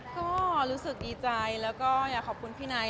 ก็รู้สึกดีใจแล้วก็อยากขอบคุณพี่ไนท